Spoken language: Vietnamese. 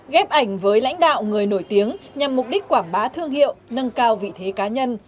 ghép ảnh với lãnh đạo người nổi tiếng nhằm mục đích quảng bá thương hiệu nâng cao vị thế cá nhân